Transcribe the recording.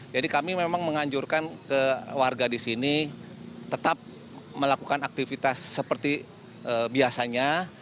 jadi kami memang menganjurkan ke warga di sini tetap melakukan aktivitas seperti biasanya